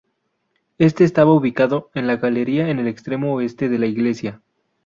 Este estaba ubicado en la galería en el extremo oeste de la iglesia.